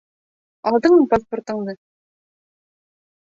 Алдыңмы паспортыңды?